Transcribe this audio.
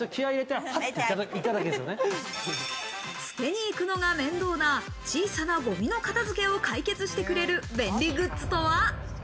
捨てに行くのが面倒な小さなゴミの片付けを解決してくれる便利グッズとは？